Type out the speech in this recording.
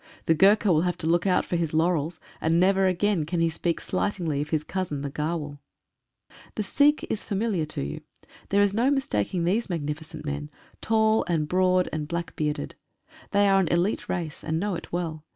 The Gurkha will have to look out for his laurels, and never again can he speak slightingly of his cousin the Gahrwal. The Sikh is familiar to you. There is no mistaking these magnificent men, tall and broad and black bearded. They are an elite race, and know it well.